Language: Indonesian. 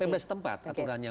pembes tempat aturannya